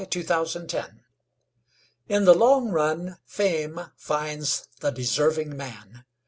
IN THE LONG RUN In the long run fame finds the deserving man.